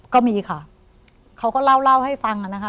ก็มีค่ะเขาก็เล่าให้ฟังนะคะ